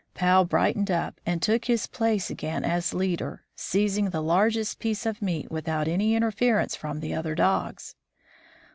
Pau brightened up and took his place again as leader, seizing the largest piece of meat without any interference from the other dogs.